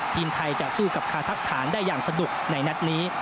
ทีมไทยจะสู้กับคาซักสถานได้อย่างสนุกในนัดนี้